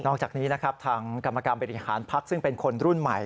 จากนี้นะครับทางกรรมการบริหารพักซึ่งเป็นคนรุ่นใหม่